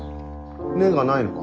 根がないのか？